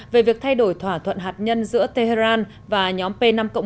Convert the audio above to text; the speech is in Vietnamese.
về việc thay đổi thỏa thuận hạt nhân giữa tehran và nhóm p năm một